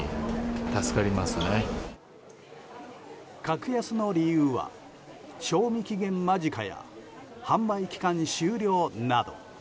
格安の理由は、賞味期限間近や販売期間終了など。